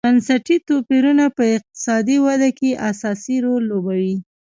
بنسټي توپیرونه په اقتصادي ودې کې اساسي رول لوبوي.